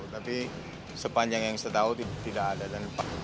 tapi sepanjang yang saya tahu tidak ada